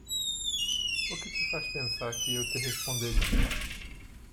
O que te faz pensar que eu te responderia?